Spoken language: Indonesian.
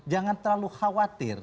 jangan terlalu khawatir